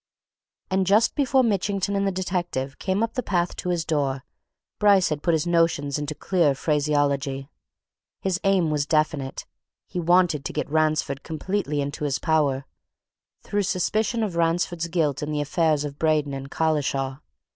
And just before Mitchington and the detective came up the path to his door, Bryce had put his notions into clear phraseology. His aim was definite he wanted to get Ransford completely into his power, through suspicion of Ransford's guilt in the affairs of Braden and Collishaw.